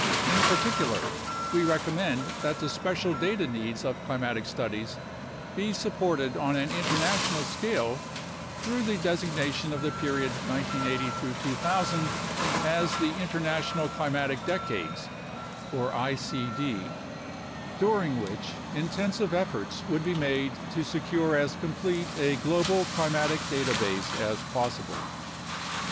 In particular, we recommend that the special data needs of climatic studies be supported on an inter national scale through the designation of the period 1980 2000 as the International Climatic Decades (icd), during which intensive efforts would be made to secure as complete a global climatic data base as possible.